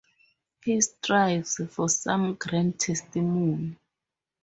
He strives for some grand testimony.